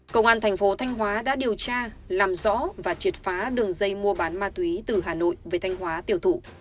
công an thành phố thanh hóa đã điều tra làm rõ và triệt phá đường dây mua bán ma túy từ hà nội về thanh hóa tiêu thụ